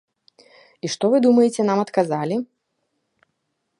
І што вы думаеце нам адказалі?